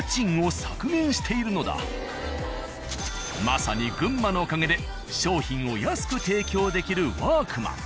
まさに群馬のおかげで商品を安く提供できる「ワークマン」。